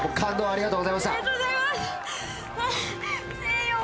ありがとうございます。